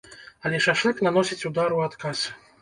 Але шашлык наносіць удар у адказ.